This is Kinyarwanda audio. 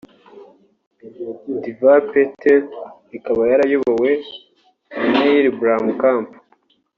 Dev Patel ikaba yarayobowe na Neill Blomkamp